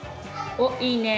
おっいいね。